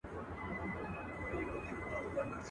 په کیسو ستړی کړې.